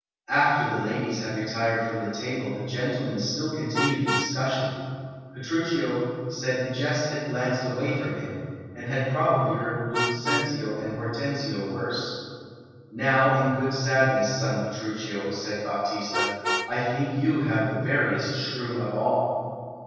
After the ladies had retired from table the gentlemen still continued the discussion. Petruchio said the jest had glanced away from him, and had probably hurt Lucentio and Hortensio worse. "Now, in good sadness, son Petruchio," said Baptista, "I think you have the veriest shrew of all."